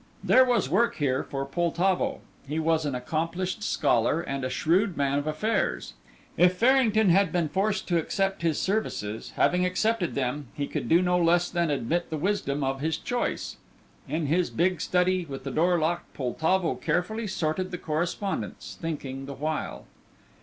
There was work here for Poltavo; he was an accomplished scholar, and a shrewd man of affairs. If Farrington had been forced to accept his service, having accepted them, he could do no less than admit the wisdom of his choice. In his big study, with the door locked, Poltavo carefully sorted the correspondence, thinking the while.